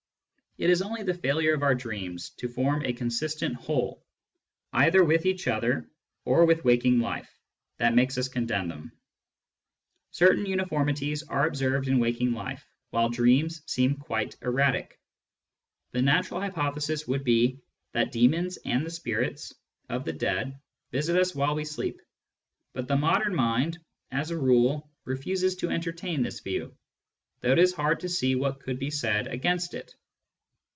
It is only the failure of our dreams to form a consistent whole either with each other or with waking life that makes us condemn them. Certain uniformities are observed in waking life, while dreams seem quite erratic. The natural hypothesis would be that demons and the spirits of the dead visit us while we sleep ; but the modern mind, as a rule, refuses to entertain this view, though it is hard to see what could be said against it.